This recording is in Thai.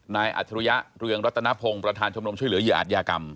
นายอัฐุยะเรืองรัตนพงศ์ประธานชมนมช่วยเหลือเหยียวอาชญากรรม